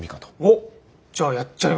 じゃあやっちゃいますか？